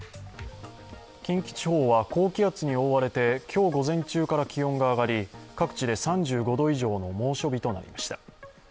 近畿地方は高気圧に覆われて今日午前中から気温が上がり、各地で３５度以上の猛暑日となりました。